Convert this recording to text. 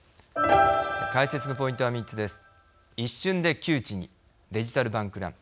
解説のポイントは３つです。